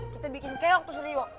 kita bikin kek waktu suri wak